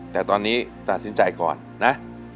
แต่ตอนนี้ตัดสินใจก่อนนะ